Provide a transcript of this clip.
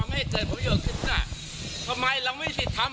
ไม่ใช่คุณตัดแล้วตัดทิ้งตัดทิ้ง